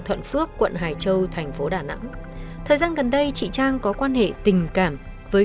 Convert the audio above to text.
thuận phước quận hải châu thành phố đà nẵng thời gian gần đây chị trang có quan hệ tình cảm với